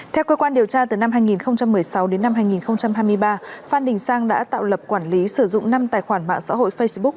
theo cơ quan điều tra từ năm hai nghìn một mươi sáu đến năm hai nghìn hai mươi ba phan đình sang đã tạo lập quản lý sử dụng năm tài khoản mạng xã hội facebook